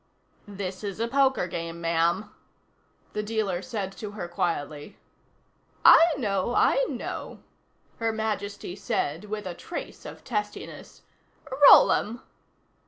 "This is a poker game, ma'am," the dealer said to her quietly. "I know, I know," Her Majesty said with a trace of testiness. "Roll 'em."